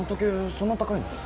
そんな高いの？